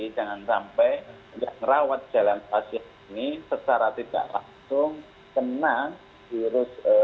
jangan sampai ngerawat jalan pasien ini secara tidak langsung kena virus covid sembilan belas